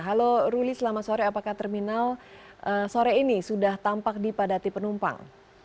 halo ruli selamat sore apakah terminal sore ini sudah tampak dipadati penumpang